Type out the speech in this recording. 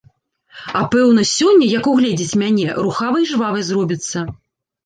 А пэўна сёння, як угледзіць мяне, рухавай і жвавай зробіцца.